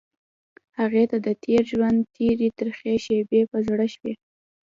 هغې ته د تېر ژوند تېرې ترخې شېبې په زړه شوې.